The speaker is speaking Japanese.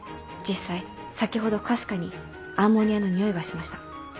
実際先ほどかすかにアンモニアの臭いがしました。